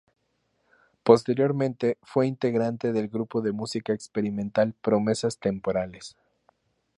Posteriormente fue integrante del grupo de música experimental Promesas Temporales.